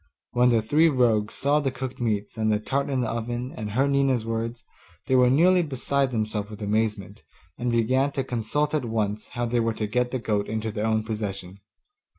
When the three rogues saw the cooked meats, and the tart in the oven, and heard Nina's words, they were nearly beside themselves with amazement, and began to consult at once how they were to get the goat into their own possession.